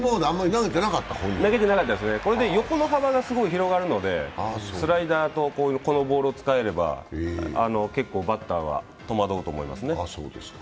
投げてなかったですね、横に広がるのでスライダーとこのボールを使えれば、結構バッターは戸惑うと思いますね。